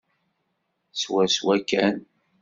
Swaswa kan.